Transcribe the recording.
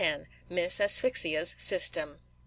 MISS ASPHYXIA'S SYSTEM.